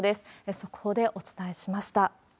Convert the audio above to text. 速報でお伝えしました。